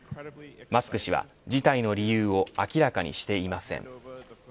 マスク氏は辞退の理由を明らかにしていません。